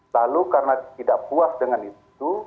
lalu karena tidak puas dengan itu